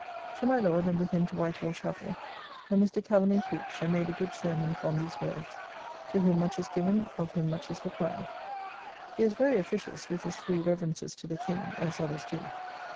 To my Lord, and with him to White Hall Chappell, where Mr. Calamy preached, and made a good sermon upon these words "To whom much is given, of him much is required." He was very officious with his three reverences to the King, as others do.